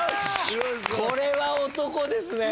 これは男ですね。